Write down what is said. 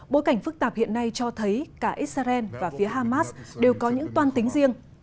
bối cảnh phức tạp hiện nay cho thấy cả israel và phía hamas đều có những toan tính riêng